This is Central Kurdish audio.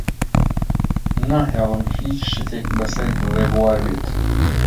ناهێڵم هیچ شتێک بەسەر ڕێبوار بێت.